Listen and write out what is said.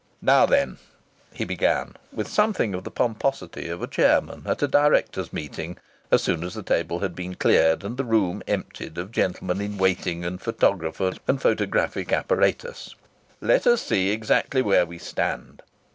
"Now then," he began, with something of the pomposity of a chairman at a directors' meeting, as soon as the table had been cleared and the room emptied of gentlemen in waiting and photographer and photographic apparatus, "let us see exactly where we stand."